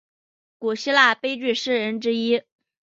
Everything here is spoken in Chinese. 古希腊悲剧诗人之一。